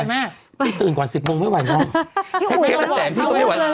ตื่นก่อน๑๐มงไม่ไหวเร็ว